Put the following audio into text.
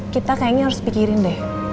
kita kayaknya harus pikirin deh